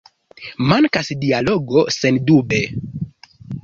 Mankas dialogo, sendube!